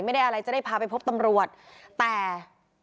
เมื่อวานหลังจากโพดำก็ไม่ได้ออกไปไหน